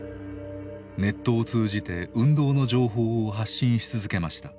ネットを通じて運動の情報を発信し続けました。